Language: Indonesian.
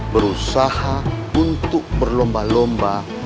berusaha untuk berlomba lomba